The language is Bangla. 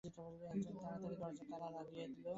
একজন তাড়াতাড়ি দরজার তালা লাগাইয়া দিল।